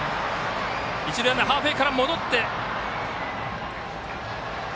一塁ランナーはハーフウエーから戻ってきました。